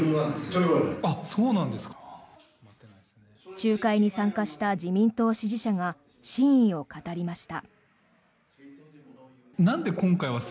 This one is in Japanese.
集会に参加した自民党支持者が真意を語りました。